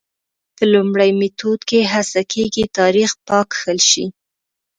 په لومړي میتود کې هڅه کېږي تاریخ پاک کښل شي.